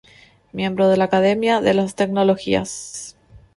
Miembro de la Academia de las tecnologías.